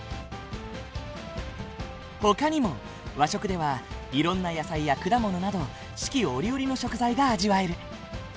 ほかにも和食ではいろんな野菜や果物など四季折々の食材が味わえる。